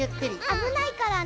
あぶないからね。